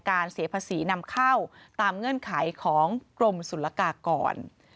เสียภาษีนำเข้าตามเงื่อนไขของกรมศุลกากร